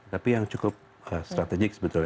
tapi yang cukup strategik sebetulnya